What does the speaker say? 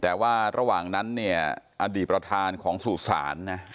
แต่ว่าระหว่างนั้นเนี่ยอดีตประทานของสู่ศาลแต่ว่าระหว่างนั้นเนี่ย